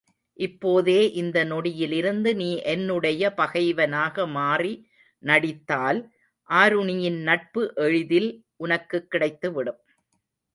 இப்போதே இந்த நொடியிலிருந்து நீ என்னுடைய பகைவனாக மாறி நடித்தால், ஆருணியின் நட்பு எளிதில் உனக்குக் கிடைத்துவிடும்.